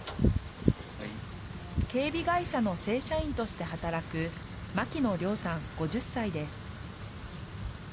警備会社の正社員として働く、牧野亮さん５０歳です。